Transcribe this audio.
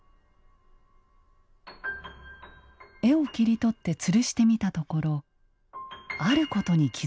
絵を切り取ってつるしてみたところあることに気付きます。